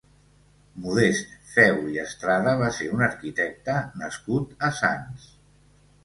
Modest Feu i Estrada va ser un arquitecte nascut a Sants.